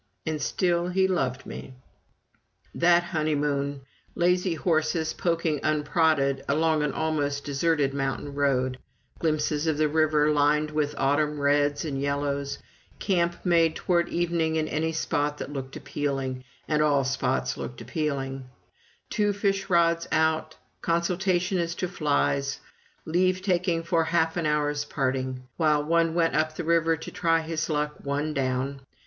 And still he loved me! That honeymoon! Lazy horses poking unprodded along an almost deserted mountain road; glimpses of the river lined with autumn reds and yellows; camp made toward evening in any spot that looked appealing and all spots looked appealing; two fish rods out; consultation as to flies; leave taking for half an hour's parting, while one went up the river to try his luck, one down.